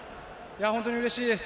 本当にうれしいです。